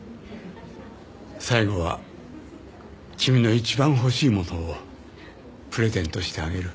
最後は君の一番欲しいものをプレゼントしてあげる。